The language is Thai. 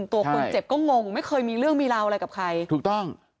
ตัวคนเจ็บก็งงไม่เคยมีเรื่องมีราวอะไรกับใครถูกต้อง